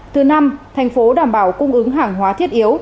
thứ năm thành phố đảm bảo cung ứng hàng hóa thiết yếu